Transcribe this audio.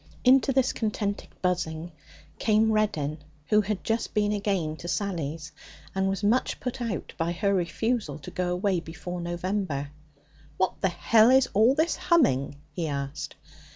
Into this contented buzzing came Reddin, who had just been again to Sally's, and was much put out by her refusal to go away before November. 'What the h is all this humming?' he asked.